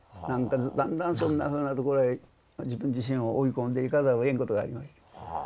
なんかだんだんそんなふうなところへ自分自身を追い込んでいかざるをえんことがありました。